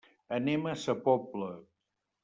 Anem a sa Pobla.